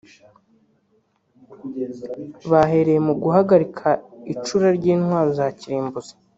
bahereye mu guhagarika icura ry’intwaro za kirimbuzi